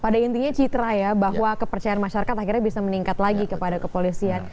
pada intinya citra ya bahwa kepercayaan masyarakat akhirnya bisa meningkat lagi kepada kepolisian